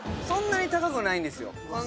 そんなに高くないんですよ